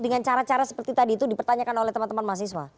dengan cara cara seperti tadi itu dipertanyakan oleh teman teman mahasiswa